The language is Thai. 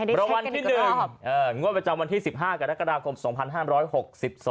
ประวัติที่๑งวดประจำวันที่๑๕กับรักษากราบกรม๒๕๖๒